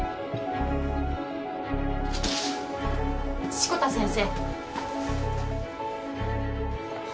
・志子田先生。